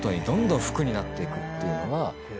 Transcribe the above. どんどん服になっていくっていうのが。